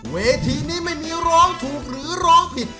เวทีนี้ไม่มีร้องถูกหรือร้องผิด